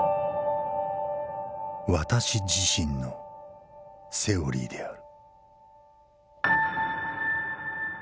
私自身のセオリーである」。